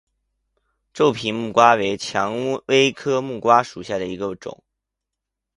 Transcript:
皱皮木瓜为蔷薇科木瓜属下的一个种。